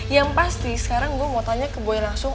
yang pasti sekarang gue mau tanya ke boy langsung